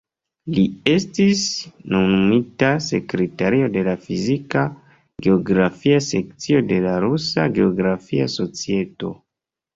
Li estis nomumita sekretario de la Fizika Geografia sekcio de la Rusa Geografia Societo.